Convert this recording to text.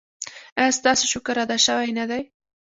ایا ستاسو شکر ادا شوی نه دی؟